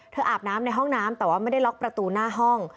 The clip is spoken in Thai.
อาบน้ำในห้องน้ำแต่ว่าไม่ได้ล็อกประตูหน้าห้อง